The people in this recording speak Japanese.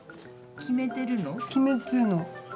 決めてるの。